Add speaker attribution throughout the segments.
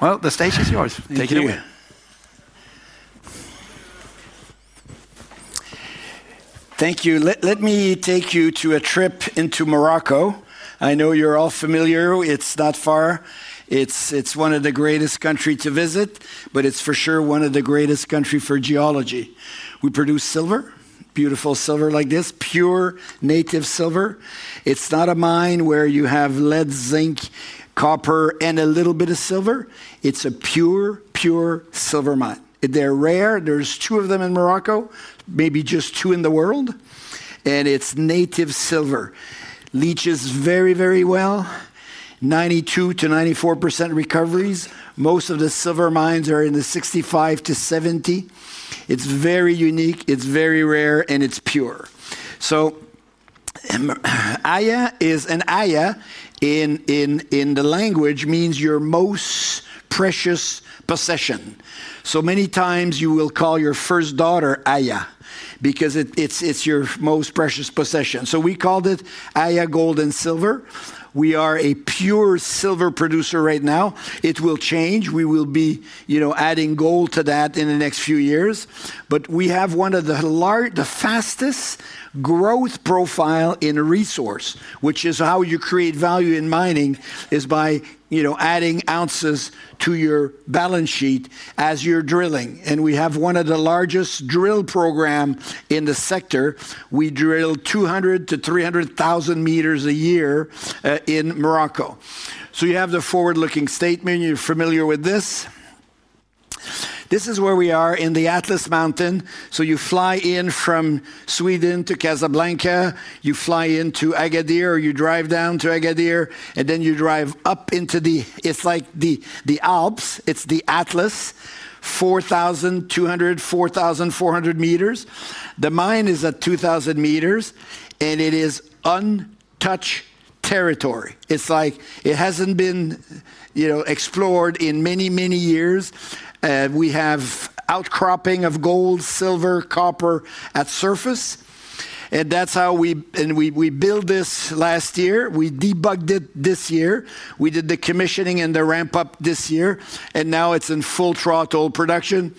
Speaker 1: The stage is yours. Take it away.
Speaker 2: Thank you. Let me take you to a trip into Morocco. I know you're all familiar. It's not far. It's one of the greatest countries to visit, but it's for sure one of the greatest countries for geology. We produce silver, beautiful silver like this, pure native silver. It's not a mine where you have lead, zinc, copper, and a little bit of silver. It's a pure, pure silver mine. They're rare. There's two of them in Morocco, maybe just two in the world. And it's native silver. Leaches very, very well. 92%-94% recoveries. Most of the silver mines are in the 65%-70%. It's very unique. It's very rare, and it's pure. Aya is, and Aya in the language means your most precious possession. Many times you will call your first daughter Aya, because it's your most precious possession. We called it Aya Gold & Silver. We are a pure silver producer right now. It will change. We will be, you know, adding gold to that in the next few years. We have one of the fastest growth profiles in a resource, which is how you create value in mining, is by, you know, adding ounces to your balance sheet as you're drilling. We have one of the largest drill programs in the sector. We drill 200,000-300,000 m a year, in Morocco. You have the forward-looking statement. You're familiar with this. This is where we are in the Atlas Mountains. You fly in from Sweden to Casablanca. You fly into Agadir, or you drive down to Agadir, and then you drive up into the, it's like the Alps. It's the Atlas, 4,200, 4,400 m. The mine is at 2,000 m, and it is untouched territory. It's like it hasn't been, you know, explored in many, many years. We have outcropping of gold, silver, copper at surface. That's how we, and we built this last year. We debugged it this year. We did the commissioning and the ramp-up this year. Now it's in full throttle production.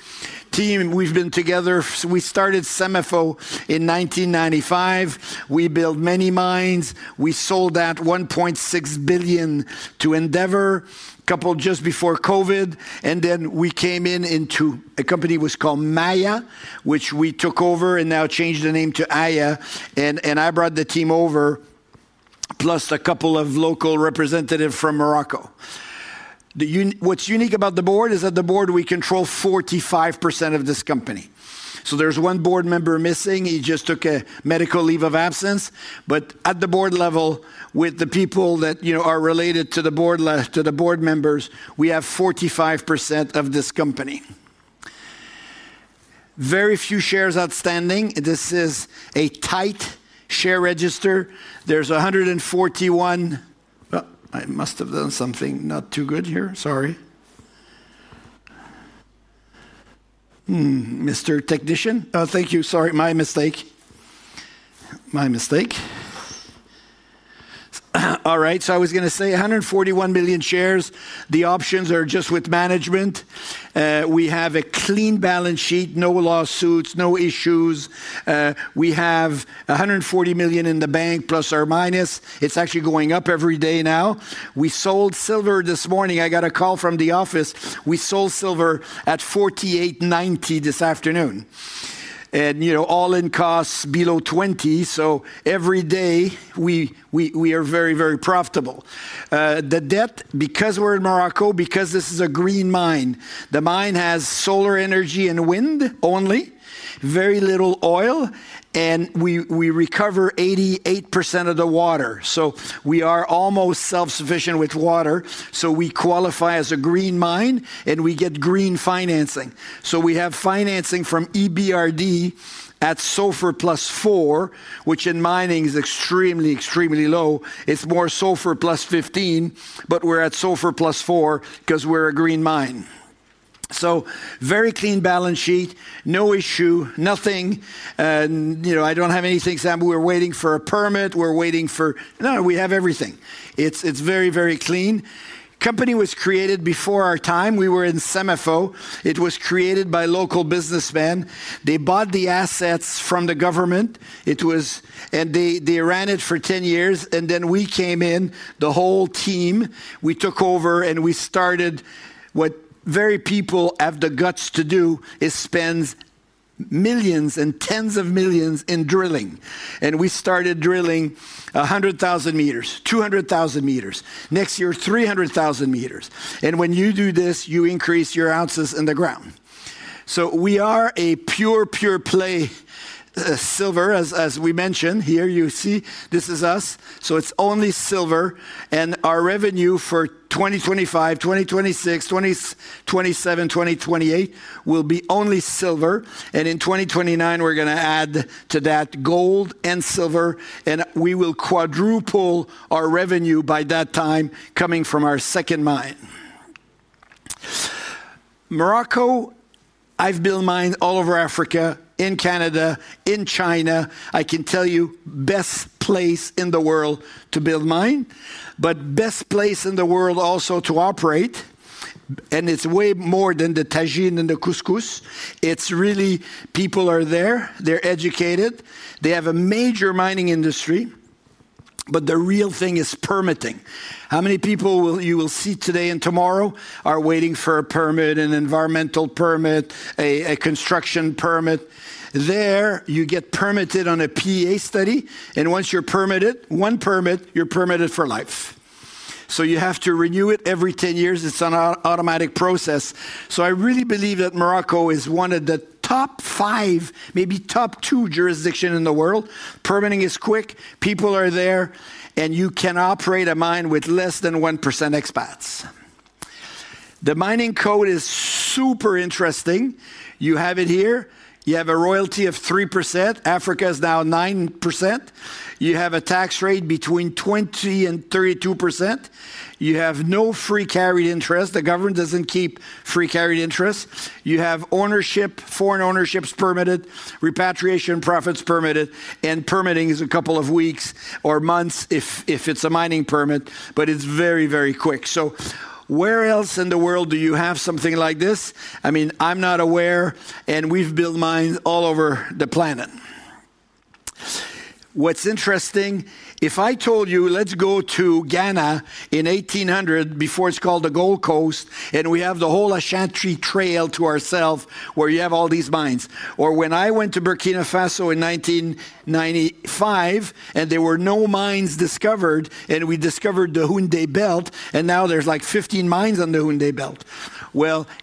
Speaker 2: Team, we've been together. We started SEMAFO in 1995. We built many mines. We sold that $1.6 billion to Endeavour, a couple just before COVID. We came in into a company that was called Maya, which we took over and now changed the name to Aya. I brought the team over, plus a couple of local representatives from Morocco. What's unique about the Board is that the Board we control 45% of this company. There's one Board member missing. He just took a medical leave of absence. At the Board level, with the people that are related to the Board members, we have 45% of this company. Very few shares outstanding. This is a tight share register. There's 141. I must have done something not too good here. Sorry. Mr. Technician? Oh, thank you. Sorry, my mistake. My mistake. All right. I was going to say 141 million shares. The options are just with management. We have a clean balance sheet, no lawsuits, no issues. We have $140± million in the bank. It's actually going up every day now. We sold silver this morning. I got a call from the office. We sold silver at $48.90 this afternoon. You know, all-in costs below $20. Every day we are very, very profitable. The debt, because we're in Morocco, because this is a green mine, the mine has solar energy and wind only, very little oil. We recover 88% of the water. We are almost self-sufficient with water. We qualify as a green mine, and we get green financing. We have financing from EBRD at SOFR+4, which in mining is extremely, extremely low. It's more SOFR+15, but we're at SOFR+4 because we're a green mine. Very clean balance sheet, no issue, nothing. You know, I don't have anything. We're waiting for a permit. We're waiting for, no, we have everything. It's very, very clean. The company was created before our time. We were in SEMAFO. It was created by local businessmen. They bought the assets from the government. It was, and they ran it for 10 years. Then we came in, the whole team, we took over, and we started what very people have the guts to do, is spend millions and tens of millions in drilling. We started drilling 100,000 m, 200,000 m, next year 300,000 m. When you do this, you increase your ounces in the ground. We are a pure, pure play silver, as we mentioned here. You see, this is us. It's only silver. Our revenue for 2025, 2026, 2027, 2028 will be only silver. In 2029, we're going to add to that gold and silver. We will quadruple our revenue by that time coming from our second mine. Morocco, I've built mines all over Africa, in Canada, in China. I can tell you the best place in the world to build mine, but the best place in the world also to operate. It's way more than the tajine and the couscous. It's really, people are there. They're educated. They have a major mining industry. The real thing is permitting. How many people you will see today and tomorrow are waiting for a permit, an environmental permit, a construction permit? There, you get permitted on a PEA study. Once you're permitted, one permit, you're permitted for life. You have to renew it every 10 years. It's an automatic process. I really believe that Morocco is one of the top five, maybe top two jurisdictions in the world. Permitting is quick. People are there, and you can operate a mine with less than 1% expats. The mining code is super interesting. You have it here. You have a royalty of 3%. Africa is now 9%. You have a tax rate between 20% and 32%. You have no free carried interest. The government doesn't keep free carried interest. You have ownership, foreign ownerships permitted, repatriation profits permitted, and permitting is a couple of weeks or months if it's a mining permit. It's very, very quick. Where else in the world do you have something like this? I'm not aware. We've built mines all over the planet. What's interesting, if I told you, let's go to Ghana in 1800, before it's called the Gold Coast, and we have the whole Ashantri Trail to ourselves where you have all these mines. Or when I went to Burkina Faso in 1995, and there were no mines discovered, and we discovered the Houndé Belt, and now there's like 15 mines on the Houndé Belt.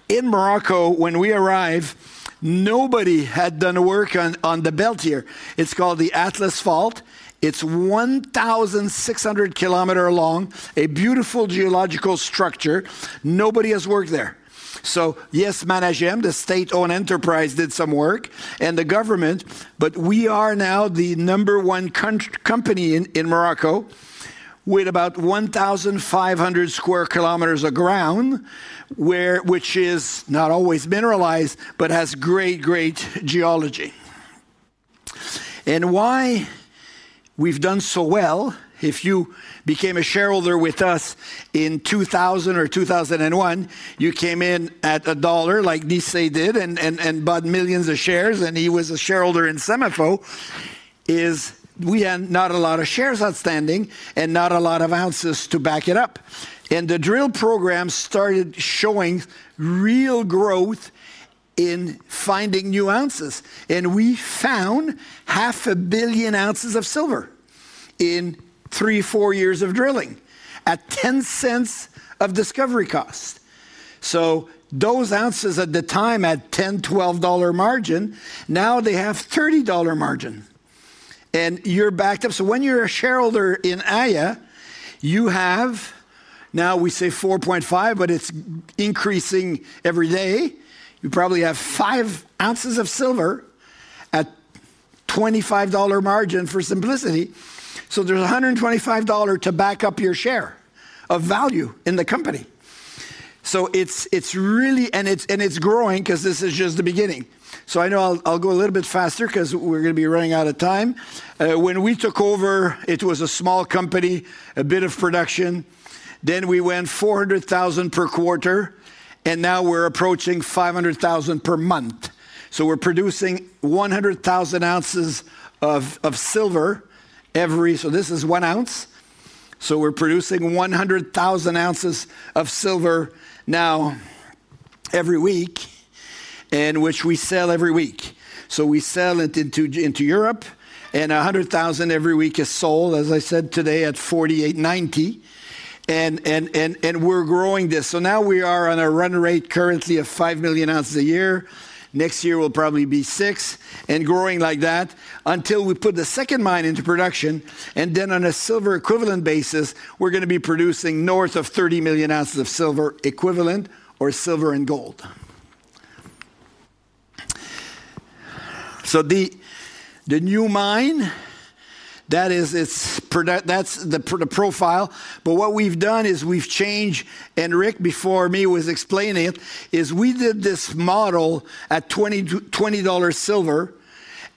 Speaker 2: In Morocco, when we arrived, nobody had done work on the belt here. It's called the Atlas Fault. It's 1,600 km long, a beautiful geological structure. Nobody has worked there. Yes, Managem, the State-owned enterprise, did some work, and the government, but we are now the number one company in Morocco with about 1,500 sq km of ground, which is not always mineralized, but has great, great geology. Why we've done so well, if you became a shareholder with us in 2000 or 2001, you came in at $1 like [inaudible] did and bought millions of shares, and he was a shareholder in SEMAFO, is we had not a lot of shares outstanding and not a lot of ounces to back it up. The drill program started showing real growth in finding new ounces. We found 500 million ounces of silver in three, four years of drilling at $0.10 of discovery cost. Those ounces at the time had $10, $12 margin. Now they have $30 margin, and you're backed up. When you're a shareholder in Aya, you have, now we say 4.5, but it's increasing every day. You probably have 5 ounces of silver at $25 margin for simplicity. There's $125 to back up your share of value in the company. It's really, and it's growing because this is just the beginning. I know I'll go a little bit faster because we're going to be running out of time. When we took over, it was a small company, a bit of production. Then we went 400,000 per quarter, and now we're approaching 500,000 per month. We're producing 100,000 ounces of silver every, so this is 1 ounce. We're producing 100,000 ounces of silver now every week, which we sell every week. We sell it into Europe, and 100,000 every week is sold, as I said today, at $48.90. We're growing this. Now we are on a run rate currently of 5 million ounces a year. Next year, we'll probably be 6 million, and growing like that until we put the second mine into production. On a silver equivalent basis, we're going to be producing north of 30 million ounces of silver equivalent or silver and gold. The new mine, that is, that's the profile. What we've done is we've changed, and Rick before me was explaining it, is we did this model at $20 silver,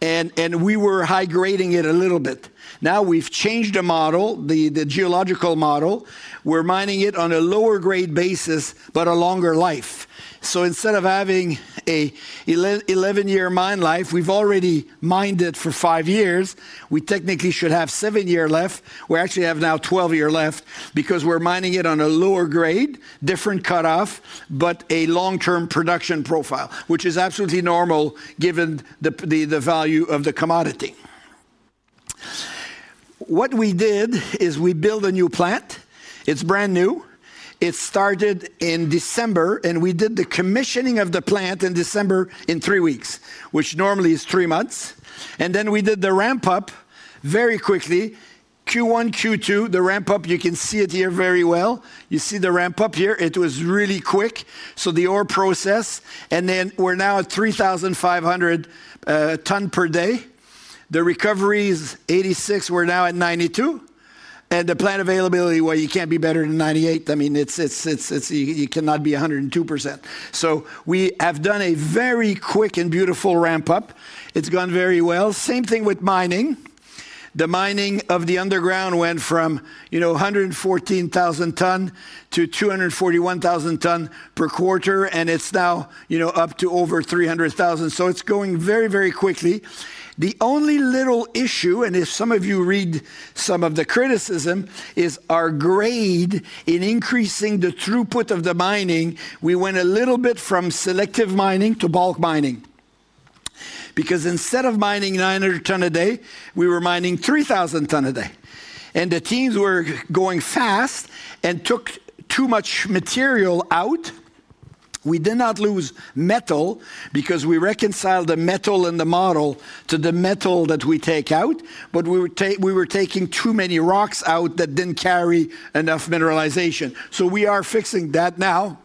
Speaker 2: and we were high grading it a little bit. Now we've changed the model, the geological model. We're mining it on a lower grade basis, but a longer life. Instead of having an 11-year mine life, we've already mined it for five years. We technically should have seven years left. We actually have now 12 years left because we're mining it on a lower grade, different cutoff, but a long-term production profile, which is absolutely normal given the value of the commodity. What we did is we built a new plant. It's brand new. It started in December, and we did the commissioning of the plant in December in three weeks, which normally is three months. We did the ramp-up very quickly, Q1, Q2, the ramp-up. You can see it here very well. You see the ramp-up here. It was really quick. The ore process, and then we're now at 3,500 tonnes per day. The recovery is 86%. We're now at 92%. The plant availability, you can't be better than 98%. I mean, it's, it's, you cannot be 102%. We have done a very quick and beautiful ramp-up. It's gone very well. Same thing with mining. The mining of the underground went from 114,000 tonnes to 241,000 tonnes per quarter, and it's now up to over 300,000 tonnes. It's going very, very quickly. The only little issue, and if some of you read some of the criticism, is our grade in increasing the throughput of the mining. We went a little bit from selective mining to bulk mining. Because instead of mining 900 tonnes a day, we were mining 3,000 tonnes a day. The teams were going fast and took too much material out. We did not lose metal because we reconciled the metal and the model to the metal that we take out. We were taking too many rocks out that didn't carry enough mineralization. We are fixing that now.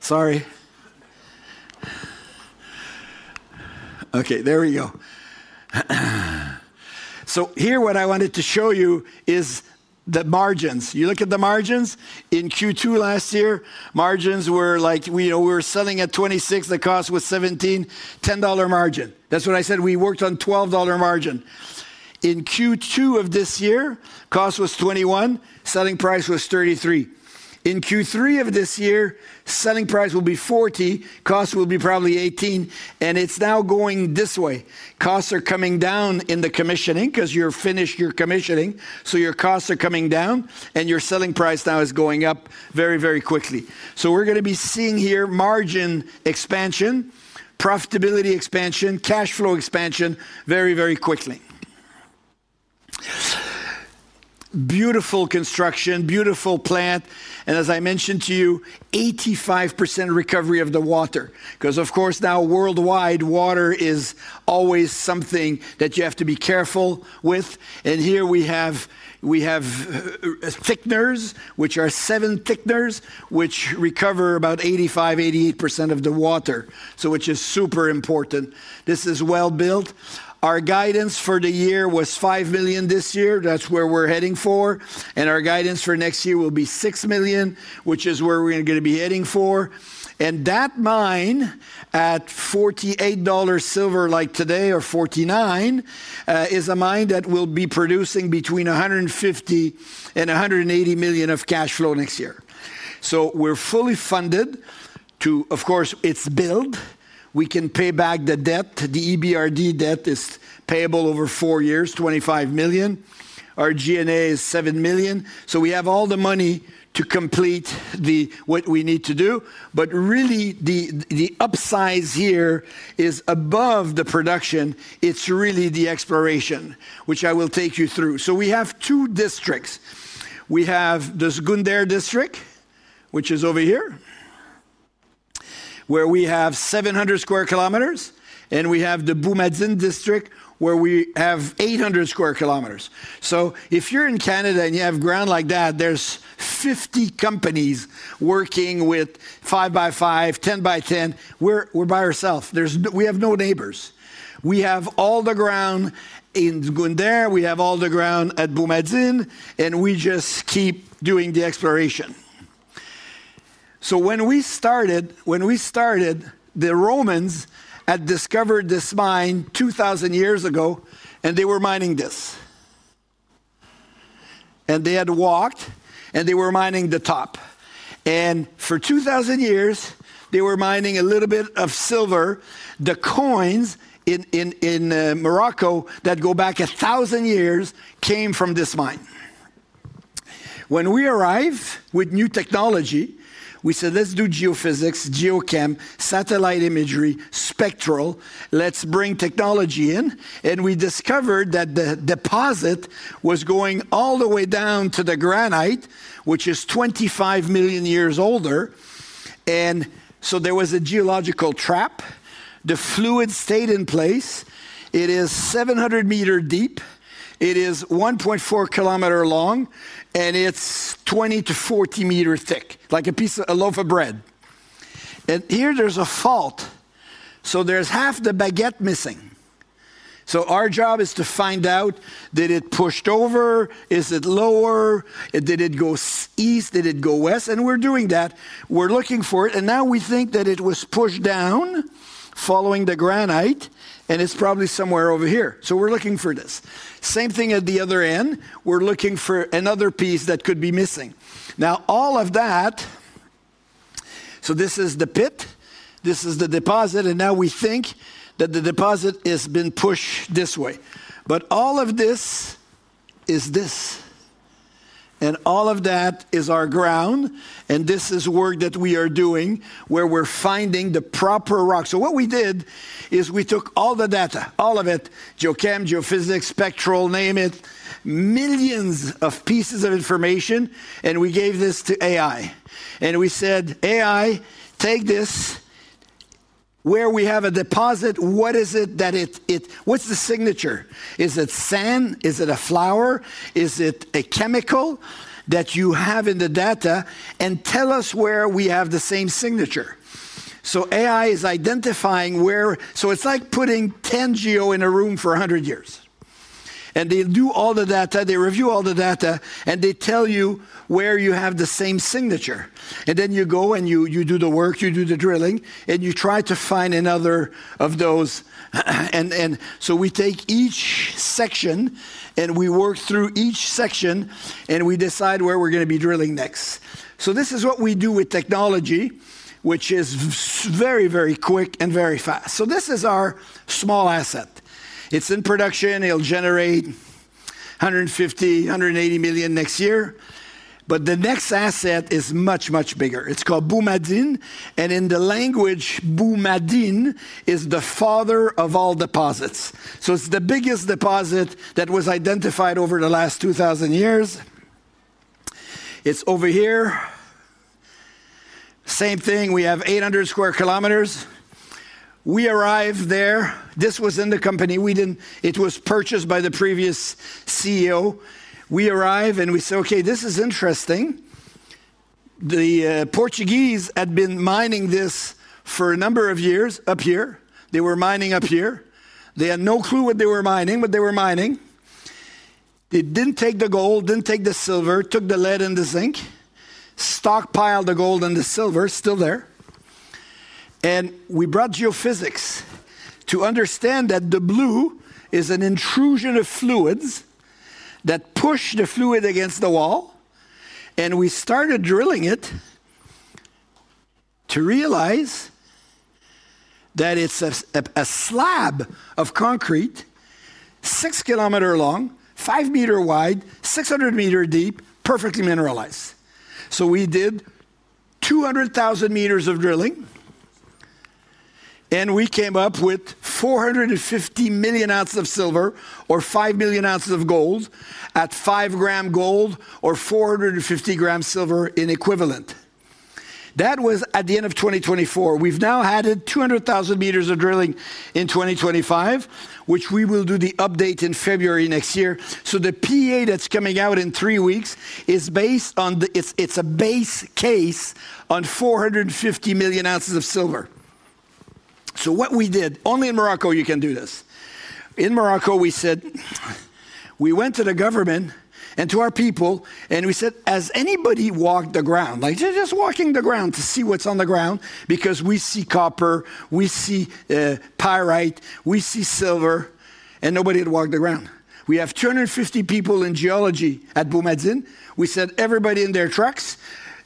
Speaker 2: Sorry. Okay, there we go. Here, what I wanted to show you is the margins. You look at the margins. In Q2 last year, margins were like, you know, we were selling at $26. The cost was $17, $10 margin. That's what I said. We worked on $12 margin. In Q2 of this year, cost was $21. Selling price was $33. In Q3 of this year, selling price will be $40. Cost will be probably $18. It's now going this way. Costs are coming down in the commissioning because you're finished your commissioning. Your costs are coming down, and your selling price now is going up very, very quickly. We are going to be seeing here margin expansion, profitability expansion, cash flow expansion very, very quickly. Beautiful construction, beautiful plant. As I mentioned to you, 85% recovery of the water. Of course, now worldwide, water is always something that you have to be careful with. Here we have thickeners, which are seven thickeners, which recover about 85%, 88% of the water, which is super important. This is well built. Our guidance for the year was 5 million this year. That's where we're heading for. Our guidance for next year will be 6 million, which is where we're going to be heading for. That mine at $48 silver like today, or $49, is a mine that will be producing between $150 million and $180 million of cash flow next year. We are fully funded to, of course, it's built. We can pay back the debt. The EBRD debt is payable over four years, $25 million. Our G&A is $7 million. We have all the money to complete what we need to do. The upsize here is above the production. It's really the exploration, which I will take you through. We have two districts. We have the Zgounder District, which is over here, where we have 700 sq km. We have the Boumadine District, where we have 800 sq km. If you're in Canada and you have ground like that, there's 50 companies working with 5 by 5, 10 by 10. We're by ourselves. We have no neighbors. We have all the ground in Zgounder. We have all the ground at Boumadine. We just keep doing the exploration. When we started, the Romans had discovered this mine 2,000 years ago, and they were mining this. They had walked, and they were mining the top. For 2,000 years, they were mining a little bit of silver. The coins in Morocco that go back 1,000 years came from this mine. When we arrived with new technology, we said, let's do geophysics, geochem, satellite imagery, spectral. Let's bring technology in. We discovered that the deposit was going all the way down to the granite, which is 25 million years older. There was a geological trap. The fluid stayed in place. It is 700 m deep, 1.4 km long, and it's 20-40 m thick. It's like a piece of a loaf of bread. Here, there's a fault, so there's half the baguette missing. Our job is to find out, did it push over? Is it lower? Did it go East? Did it go West? We're doing that. We're looking for it. Now we think that it was pushed down following the granite, and it's probably somewhere over here. We're looking for this. Same thing at the other end. We're looking for another piece that could be missing. All of that, this is the pit. This is the deposit. Now we think that the deposit has been pushed this way. All of this is this, and all of that is our ground. This is work that we are doing where we're finding the proper rock. What we did is we took all the data, all of it, geochem, geophysics, spectral, name it, millions of pieces of information. We gave this to AI, and we said, AI, take this. Where we have a deposit, what is it that it, what's the signature? Is it sand? Is it a flower? Is it a chemical that you have in the data? Tell us where we have the same signature. AI is identifying where, so it's like putting 10 geo in a room for 100 years. They do all the data, they review all the data, and they tell you where you have the same signature. Then you go and you do the work, you do the drilling, and you try to find another of those. We take each section and we work through each section and we decide where we're going to be drilling next. This is what we do with technology, which is very, very quick and very fast. This is our small asset. It's in production. It'll generate $150 million, $180 million next year. The next asset is much, much bigger. It's called Boumadine. In the language, Boumadine is the father of all deposits. It's the biggest deposit that was identified over the last 2,000 years. It's over here. Same thing. We have 800 sq km. We arrived there. This was in the company. It was purchased by the previous CEO. We arrive and we say, okay, this is interesting. The Portuguese had been mining this for a number of years up here. They were mining up here. They had no clue what they were mining, but they were mining. They didn't take the gold, didn't take the silver, took the lead and the zinc, stockpiled the gold and the silver, still there. We brought geophysics to understand that the blue is an intrusion of fluids that push the fluid against the wall. We started drilling it to realize that it's a slab of concrete, 6 km long, 5 m wide, 600 m deep, perfectly mineralized. We did 200,000 m of drilling. We came up with 450 million ounces of silver or 5 million ounces of gold at 5 g gold or 450 g silver in equivalent. That was at the end of 2024. We've now added 200,000 m of drilling in 2025, which we will do the update in February next year. The PA that's coming out in three weeks is based on a base case on 450 million ounces of silver. What we did, only in Morocco you can do this. In Morocco, we said, we went to the government and to our people, and we said, has anybody walked the ground? Like, just walking the ground to see what's on the ground because we see copper, we see pyrite, we see silver, and nobody had walked the ground. We have 250 people in geology at Boumadine. We said, everybody in their trucks,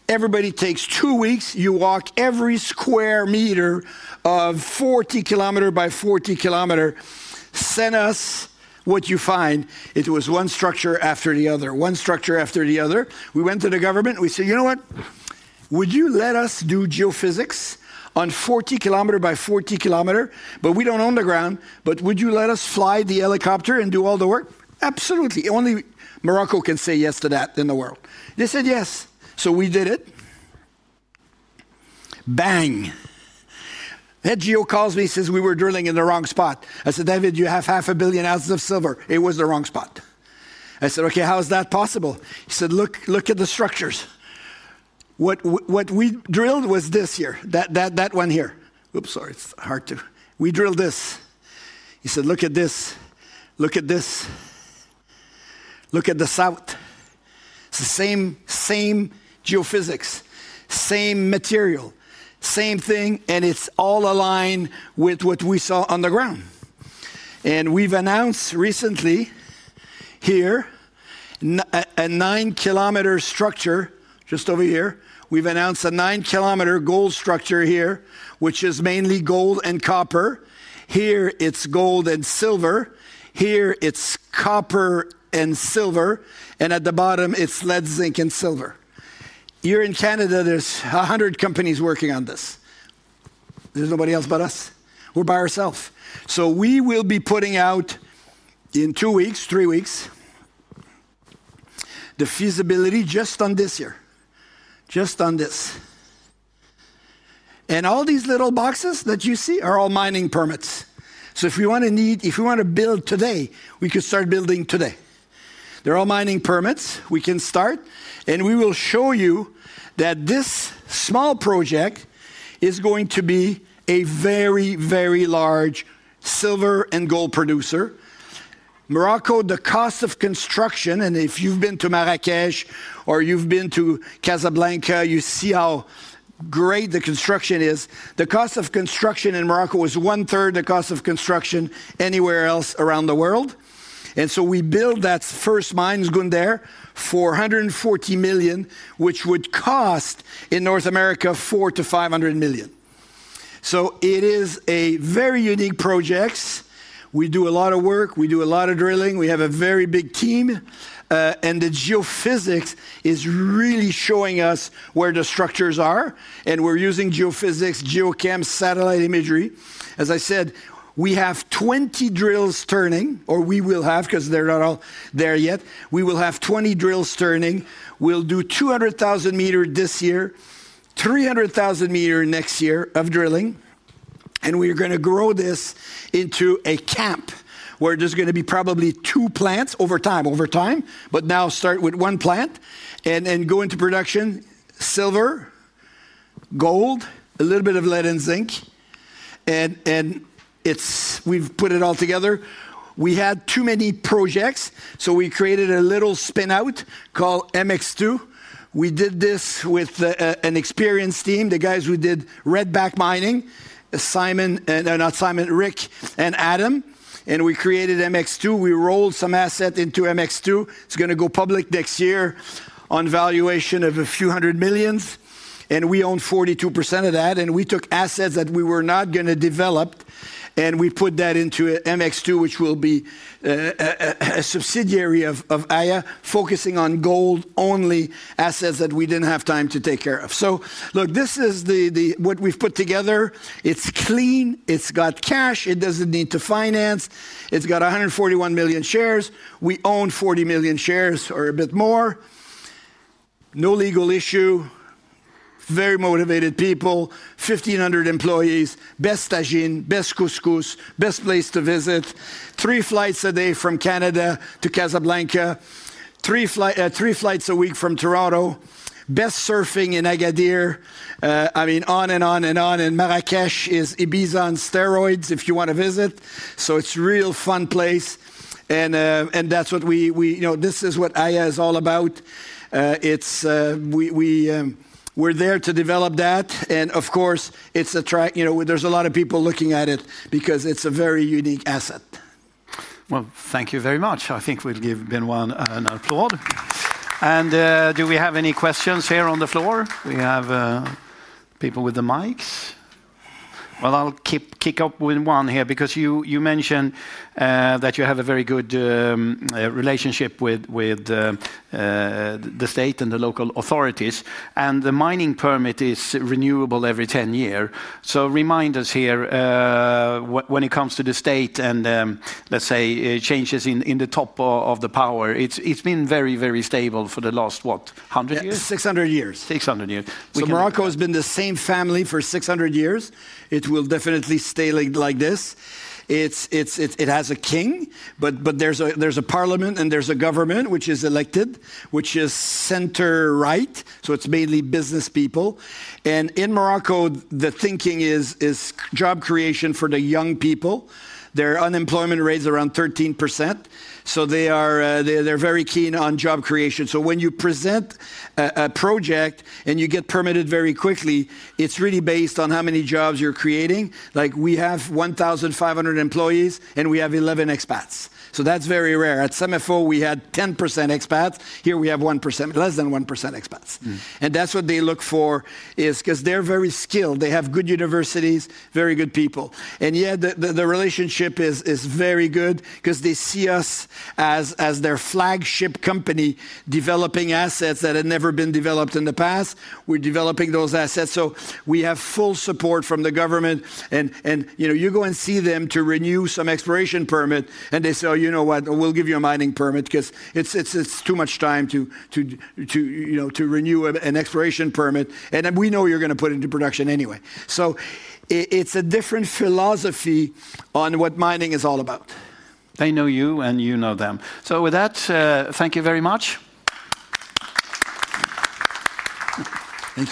Speaker 2: everybody takes two weeks, you walk every square meter of 40 km by 40 km, send us what you find. It was one structure after the other, one structure after the other. We went to the government, we said, you know what, would you let us do geophysics on 40 km by 40 km, but we don't own the ground, but would you let us fly the helicopter and do all the work? Absolutely. Only Morocco can say yes to that in the world. They said yes. We did it. Bang. Edgio calls me, he says we were drilling in the wrong spot. I said, David, you have 500 million ounces of silver. It was the wrong spot. I said, okay, how is that possible? He said, look, look at the structures. What we drilled was this year, that one here. Oops, sorry, it's hard to, we drilled this. He said, look at this, look at this, look at the South. It's the same, same geophysics, same material, same thing, and it's all aligned with what we saw on the ground. We've announced recently here a 9 km structure, just over here. We've announced a 9 km gold structure here, which is mainly gold and copper. Here, it's gold and silver. Here, it's copper and silver. At the bottom, it's lead, zinc, and silver. Here in Canada, there's 100 companies working on this. There's nobody else but us. We're by ourselves. We will be putting out in two weeks, three weeks, the feasibility just on this year, just on this. All these little boxes that you see are all mining permits. If we want to need, if we want to build today, we could start building today. They're all mining permits. We can start, and we will show you that this small project is going to be a very, very large silver and gold producer. Morocco, the cost of construction, and if you've been to Marrakech or you've been to Casablanca, you see how great the construction is. The cost of construction in Morocco is 1/3 the cost of construction anywhere else around the world. We built that first mine, Zgounder, for $140 million, which would cost in North America $400 million-$500 million. It is a very unique project. We do a lot of work. We do a lot of drilling. We have a very big team. The geophysics is really showing us where the structures are. We're using geophysics, geochem, satellite imagery. As I said, we have 20 drills turning, or we will have, because they're not all there yet. We will have 20 drills turning. We'll do 200,000 m this year, 300,000 m next year of drilling. We're going to grow this into a camp where there's going to be probably two plants over time, over time, but now start with one plant and go into production, silver, gold, a little bit of lead and zinc. We've put it all together. We had too many projects, so we created a little spin-out called Mx2. We did this with an experienced team, the guys who did Red Back Mining, Simon, and not Simon, Rick, and Adam. We created Mx2. We rolled some assets into Mx2. It's going to go public next year on valuation of a few hundred millions. We own 42% of that. We took assets that we were not going to develop. We put that into Mx2, which will be a subsidiary of Aya, focusing on gold-only assets that we didn't have time to take care of. Look, this is what we've put together. It's clean. It's got cash. It doesn't need to finance. It's got 141 million shares. We own 40 million shares or a bit more. No legal issue. Very motivated people. 1,500 employees. Best tajine, best couscous, best place to visit. Three flights a day from Canada to Casablanca. Three flights a week from Toronto. Best surfing in Agadir. I mean, on and on and on. Marrakech is Ibiza on steroids if you want to visit. It's a real fun place. That's what we, you know, this is what Aya is all about. We're there to develop that. Of course, it's attracting, you know, there's a lot of people looking at it because it's a very unique asset.
Speaker 1: Thank you very much. I think we'd give Benoit an applaud. Do we have any questions here on the floor? We have people with the mics. I'll kick up with one here because you mentioned that you have a very good relationship with the State and the local authorities. The mining permit is renewable every 10 years. Remind us here, when it comes to the State and let's say changes in the top of the power, it's been very, very stable for the last, what, 100 years?
Speaker 2: 600 years.
Speaker 1: 600 years.
Speaker 2: Morocco has been the same family for 600 years. It will definitely stay like this. It has a king, but there's a parliament and there's a government which is elected, which is center-right. It's mainly business people. In Morocco, the thinking is job creation for the young people. Their unemployment rate is around 13%. They're very keen on job creation. When you present a project and you get permitted very quickly, it's really based on how many jobs you're creating. We have 1,500 employees and we have 11 expats. That's very rare. At SEMAFO, we had 10% expats. Here we have 1%, less than 1% expats. That's what they look for because they're very skilled. They have good universities, very good people. Yet the relationship is very good because they see us as their flagship company developing assets that have never been developed in the past. We're developing those assets. We have full support from the government. You go and see them to renew some exploration permit and they say, oh, you know what, we'll give you a mining permit because it's too much time to renew an exploration permit. We know you're going to put it into production anyway. It's a different philosophy on what mining is all about.
Speaker 1: They know you and you know them. With that, thank you very much.